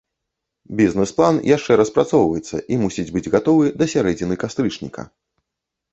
Бізнес-план яшчэ распрацоўваецца і мусіць быць гатовы да сярэдзіны кастрычніка.